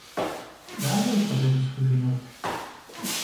- Дауэ укъызэрисхыжынур?